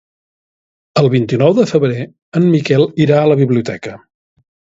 El vint-i-nou de febrer en Miquel irà a la biblioteca.